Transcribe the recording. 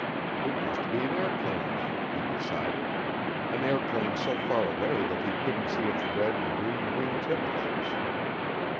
It must be an airplane then, he'd decided an airplane so far away that he couldn't see its red and green wing tip lights.